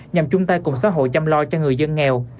nhằm chung tay cùng xã hội chăm lo cho người dân nghèo